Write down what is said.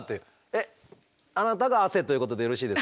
えっあなたが汗ということでよろしいですか？